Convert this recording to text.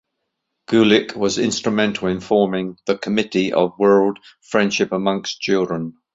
Gulick was instrumental in forming the "Committee on World Friendship Among Children".